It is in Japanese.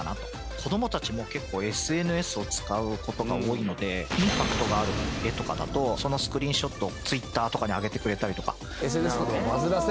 子供たちも結構ＳＮＳを使う事が多いのでインパクトがある画とかだとそのスクリーンショットをＴｗｉｔｔｅｒとかに上げてくれたりとか。